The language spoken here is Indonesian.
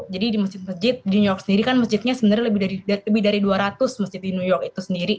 jadi di masjid masjid di new york sendiri kan masjidnya sebenarnya lebih dari dua ratus masjid di new york itu sendiri